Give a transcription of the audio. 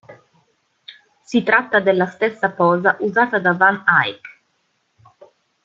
Si tratta della stessa posa usata da van Eyck.